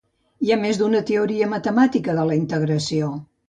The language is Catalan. Hi ha més d'una teoria matemàtica de la integració.